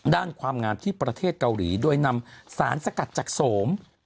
ความงามที่ประเทศเกาหลีโดยนำสารสกัดจากโสม